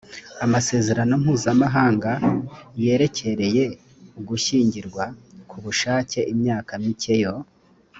amasezerano mpuzamahanga yerekerekeye ugushyingirwa ku bushake imyaka mike yo